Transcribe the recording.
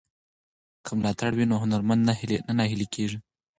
که ملاتړ وي نو هنرمند نه نهیلی کیږي.